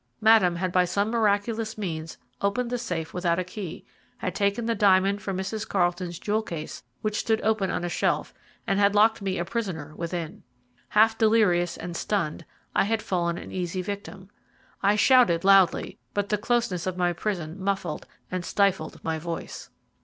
Madame had by some miraculous means opened the safe without a key, had taken the diamond from Mrs. Carlton's jewel case which stood open on a shelf, and had locked me a prisoner within. Half delirious and stunned, I had fallen an easy victim. I shouted loudly, but the closeness of my prison muffled and stifled my voice.